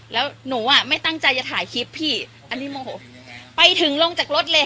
แล้วหนูอ่ะไม่ตั้งใจจะถ่ายคลิปพี่อันนี้โมโหไปถึงลงจากรถเลย